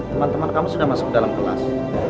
teman teman kamu sudah masuk dalam kelas